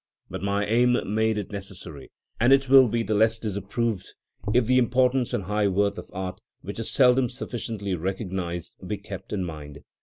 But my aim made it necessary, and it will be the less disapproved if the importance and high worth of art, which is seldom sufficiently recognised, be kept in mind.